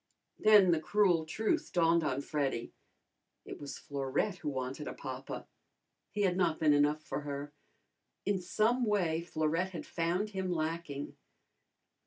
Then the cruel truth dawned on Freddy. It was Florette who wanted a papa. He had not been enough for her. In some way Florette had found him lacking.